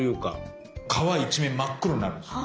川一面真っ黒になるんです